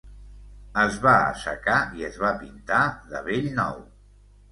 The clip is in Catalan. Es va assecar i es va pintar de bell nou.